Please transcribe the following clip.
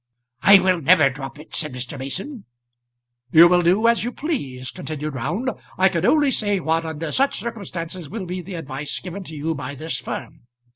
"I will never drop it," said Mr. Mason. "You will do as you please," continued Round; "I can only say what under such circumstances will be the advice given to you by this firm.